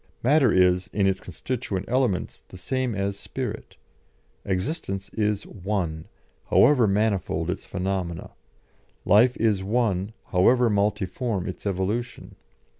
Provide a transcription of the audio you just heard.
Matter is, in its constituent elements, the same as spirit; existence is one, however manifold in its phenomena; life is one, however multiform in its evolution.